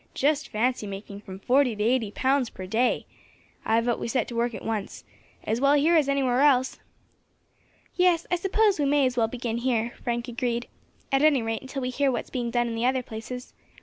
"Just fancy making from forty to eighty pounds per day. I vote we set to work at once. As well here as anywhere else." "Yes, I suppose we may as well begin here," Frank agreed; "at any rate until we hear what is being done in the other places.